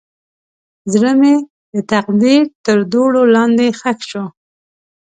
زړه مې د تقدیر تر دوړو لاندې ښخ شو.